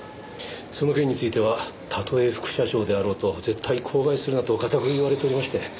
その件についてはたとえ副社長であろうと絶対口外するなと固く言われておりまして。